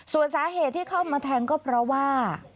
ส่วนเหตุมาแท้งก็เหรอว่า